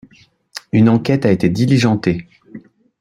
Une enquête a été diligentée.